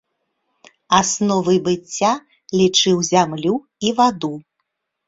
Асновай быцця лічыў зямлю і ваду.